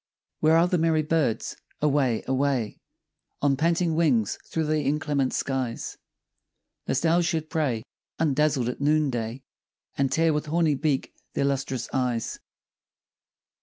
Where are the merry birds? Away, away, On panting wings through the inclement skies, Lest owls should prey Undazzled at noon day, And tear with horny beak their lustrous eyes.